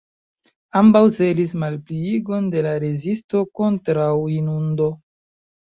Ambaŭ celis malpliigon de la rezisto kontraŭinundo.